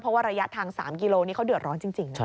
เพราะว่าระยะทาง๓กิโลนี่เขาเดือดร้อนจริงนะ